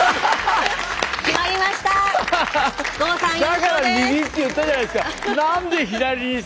だから右って言ったじゃないですか。